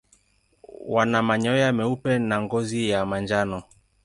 Wana manyoya meupe na ngozi ya manjano.